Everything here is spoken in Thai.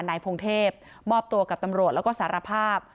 นายพงเทพมอบตัวกับตำรวจแล้วก็สารภาพ